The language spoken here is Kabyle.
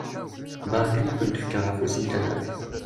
Bɣiɣ kan ad akent-d-fkeɣ afus n tallalt!